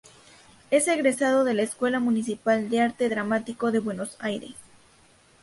Es egresado de la Escuela Municipal de Arte Dramático de Buenos Aires.